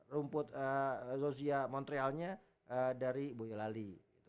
rumput zozia montrealnya dari boyolali